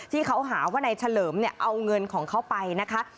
ที่เขาหาว่าในเฉลิมเอาเงินของเขาไปนะคะ